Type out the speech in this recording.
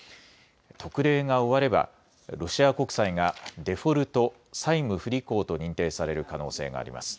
特例が終わればロシア国債がデフォルト・債務不履行と認定される可能性があります。